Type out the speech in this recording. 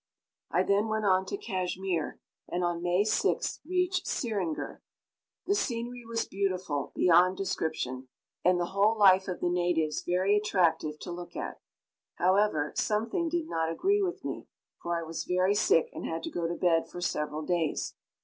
I then went on to Cashmere, and on May 6th reached Siringur. The scenery was beautiful beyond description, and the whole life of the natives very attractive to look at. However, something did not agree with me, for I was very sick and had to go to bed for several days.